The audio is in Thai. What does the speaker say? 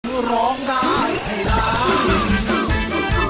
เพื่อร้องได้ให้ร้อง